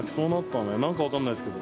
何か分かんないですけど。